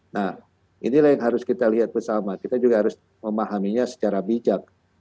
nah inilah yang harus kita lihat bersama kita juga harus memahaminya secara bijak